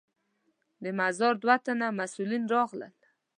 د مزار دوه تنه مسوولین راغلل.